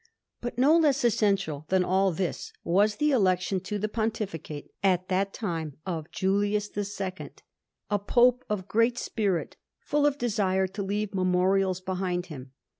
But no less essential than all this was the election to the Pontificate, at that time, of Julius II, a Pope of great spirit, full of desire to leave memorials behind him.